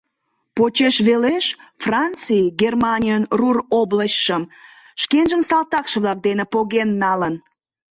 Почеш велеш Франций Германийын Рур областьшым шкенжын салтакше-влак дене поген налын.